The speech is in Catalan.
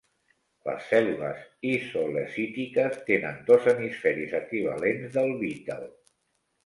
Les cèl·lules isolecítiques tenen dos hemisferis equivalents del vitel.